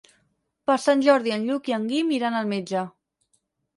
Per Sant Jordi en Lluc i en Guim iran al metge.